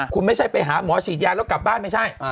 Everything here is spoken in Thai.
คุณไม่ใช่ไปหาหมอฉีดยาแล้วกลับบ้านไม่ใช่